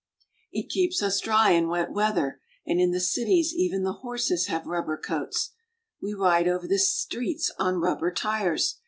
It keeps us dry in wet weather, and in the cities even the horses have rubber coats. We ride over the streets on rubber tires.